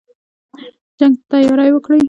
جنګ ته تیاری وکړی.